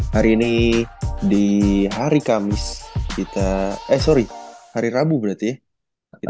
hari ini di hari kamis eh sorry hari rabu berarti ya